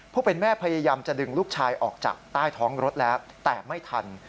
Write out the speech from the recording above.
ผู้เป็นแม่พยายามจะดึงลูกชายออกจากใต้ท้องรถแล้วแต่ไม่ทัน